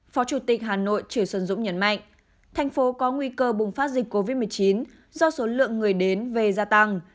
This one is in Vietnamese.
phó chủ tịch hà nội chư xuân dũng nhấn mạnh thành phố có nguy cơ bùng phát dịch covid một mươi chín do số lượng người đến về gia tăng